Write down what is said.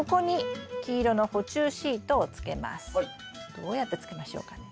どうやってつけましょうかね？